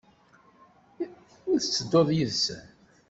Ur ttedduɣ yid-sen.